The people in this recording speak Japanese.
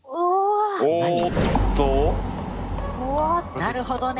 なるほどね。